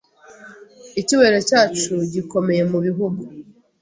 Icyubahiro cyacu gikomeye Mubihugu